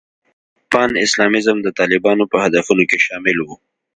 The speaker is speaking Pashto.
پان اسلامیزم د طالبانو په هدفونو کې شامل و.